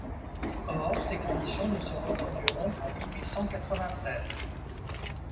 Or, ces conditions ne se reproduiront qu’en mille huit cent quatre-vingt-seize !